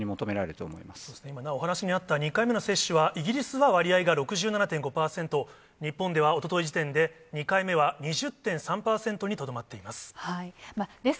そうですね、今お話にあった２回目の接種は、イギリスは割合が６７．５％、日本ではおととい時点で、２回目は２０．３％にとどまっています。